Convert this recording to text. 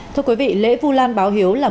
thưa quý vị lễ vu lan báo hiếu là